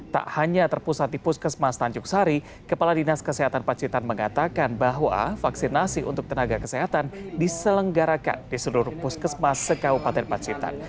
tak hanya terpusat di puskesmas tanjung sari kepala dinas kesehatan pacitan mengatakan bahwa vaksinasi untuk tenaga kesehatan diselenggarakan di seluruh puskesmas sekaupaten pacitan